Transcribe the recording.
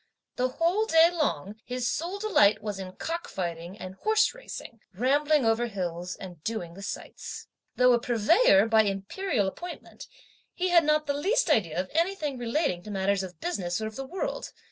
The whole day long, his sole delight was in cock fighting and horse racing, rambling over hills and doing the sights. Though a Purveyor, by Imperial appointment, he had not the least idea of anything relating to matters of business or of the world.